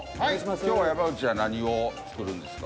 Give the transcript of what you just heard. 今日は山内は何を作るんですか？